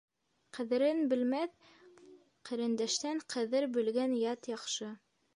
Ҡәҙерен белмәҫ ҡәрендәштән ҡәҙер белгән ят яҡшы.